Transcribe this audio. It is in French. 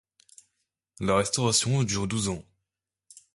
La restauration dure douze ans.